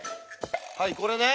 はいこれね。